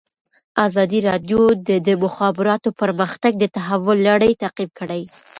ازادي راډیو د د مخابراتو پرمختګ د تحول لړۍ تعقیب کړې.